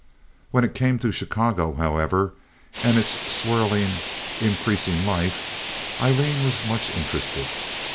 When it came to Chicago, however, and its swirling, increasing life, Aileen was much interested.